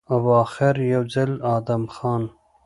او اخر يو ځل ادم خان